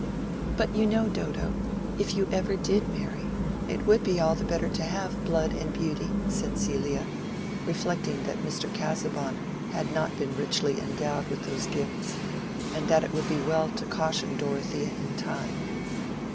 "But you know, Dodo, if you ever did marry, it would be all the better to have blood and beauty," said Celia, reflecting that Mr. Casaubon had not been richly endowed with those gifts, and that it would be well to caution Dorothea in time.